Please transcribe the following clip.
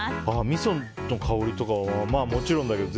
みその香りとかもちろんだけど